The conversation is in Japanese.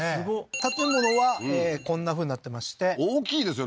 建物はこんなふうになってまして大きいですよ